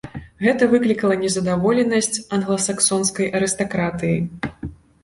Гэта выклікала незадаволенасць англасаксонскай арыстакратыі.